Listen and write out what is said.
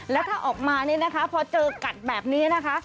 แล้วถ้าออกมานี่นะคะพอเจอกัดแบบนี้นะคะ